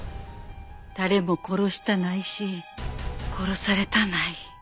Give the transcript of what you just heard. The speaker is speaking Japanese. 誰も殺したないし殺されたない。